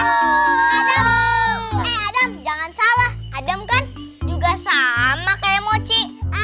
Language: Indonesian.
adam eh adem jangan salah adam kan juga sama kayak mochi